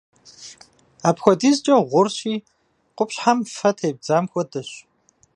Апхуэдизкӏэ гъурщи, къупщхьэм фэ тебзам хуэдэщ.